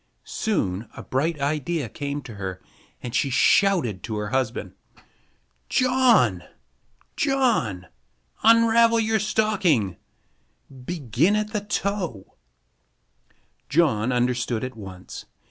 Soon a bright idea came to her, and she shouted to her husband: "John! John! Unravel your stocking! Begin at the toe!" John understood at once.